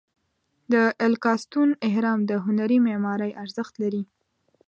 د الکاستون اهرام د هنري معمارۍ ارزښت لري.